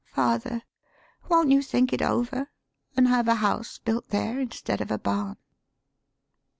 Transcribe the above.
" Father, won't you think it over, an' have a house built there instead of a barn?"